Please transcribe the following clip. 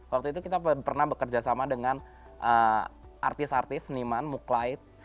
waktu itu kita pernah bekerja sama dengan artis artis seniman muklight